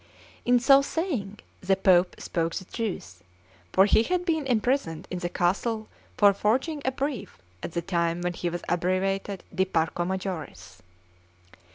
In so saying the Pope spoke the truth: for he had been imprisoned in the castle for forging a brief at the time when he was abbreviator 'di Parco Majoris.'